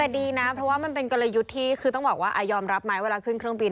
แต่ดีนะเพราะว่ามันเป็นกลยุทธ์ที่คือต้องบอกว่ายอมรับไหมเวลาขึ้นเครื่องบิน